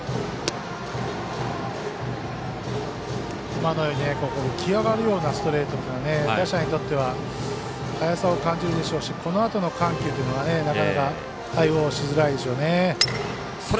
今のように浮き上がるようなストレートは打者にとっては速さを感じるでしょうしなかなか対応しづらいでしょうね。